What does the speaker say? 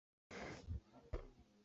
Raldohnak ah minung tampi an thi.